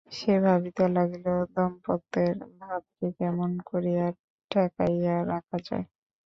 সে ভাবিতে লাগিল-দোম্পত্যের ভাবকে কেমন করিয়া ঠেকাইয়া রাখা যায়।